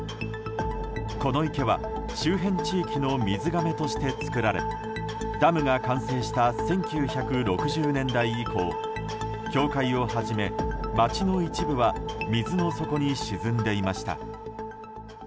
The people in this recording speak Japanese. この池は周辺地域の水がめとして造られダムが完成した１９６０年代以降教会をはじめ、町の一部は水の底に沈んでいました。